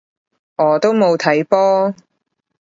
我都冇睇波